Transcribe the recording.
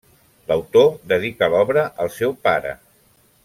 L'autor dedica l'obra al seu pare.